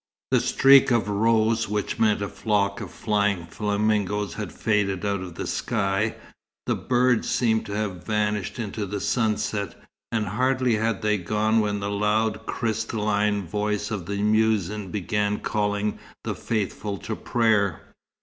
The streak of rose which meant a flock of flying flamingoes had faded out of the sky. The birds seemed to have vanished into the sunset, and hardly had they gone when the loud crystalline voice of the muezzin began calling the faithful to prayer.